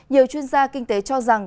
nhiều chuyên gia kinh tế cho rằng